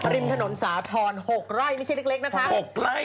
ริมถนนสาธรณ์๖ไร่ไม่ใช่เล็กนะคะ๖ไร่